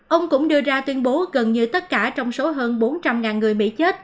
ông cũng đưa ra tuyên bố gần như tất cả trong số hơn bốn trăm linh người mỹ chết